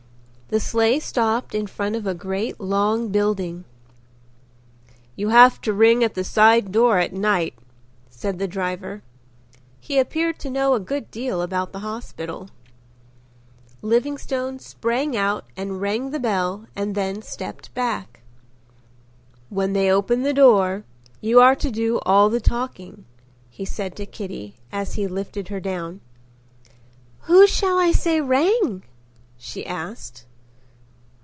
The sleigh stopped in front of a great long building. "You have to ring at the side door at night," said the driver. He appeared to know a good deal about the hospital. Livingstone sprang out and rang the bell and then stepped back. "When they open the door, you are to do all the talking," he said to Kitty as he lifted her down. "Who shall I say rang?" she asked.